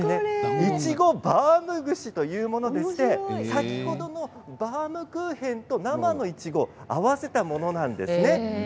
いちごバーム串というものでして先ほどのバウムクーヘンと生のいちご合わせたものなんです。